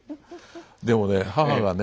でもね母がね